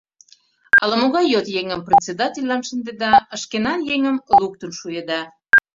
Ала-могай йот еҥым председательлан шындеда, шкенан еҥым луктын шуэда.